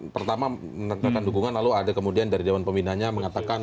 pertama menetapkan dukungan lalu ada kemudian dari dawan pembina nya mengatakan